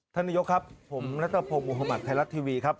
ท่านนโยคครับผมรัฐพรมมหมาธรรัฐทีวีครับ